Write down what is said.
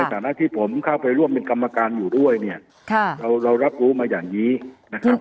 ฐานะที่ผมเข้าไปร่วมเป็นกรรมการอยู่ด้วยเนี่ยค่ะเราเรารับรู้มาอย่างนี้นะครับ